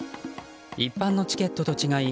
一般のチケットと違い